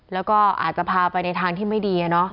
แล้วก็อาจจะพาไปในทางที่ไม่ดี